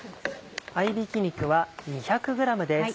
合びき肉は２００ｇです。